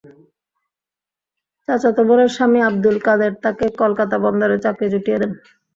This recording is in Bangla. চাচাতো বোনের স্বামী আবদুল কাদের তাঁকে কলকাতা বন্দরে চাকরি জুটিয়ে দেন।